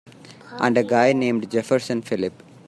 And a guy named Jefferson Phillip.